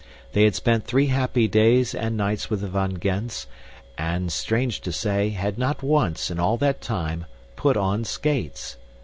They had spent three happy days and nights with the Van Gends, and, strange to say, had not once, in all that time, put on skates.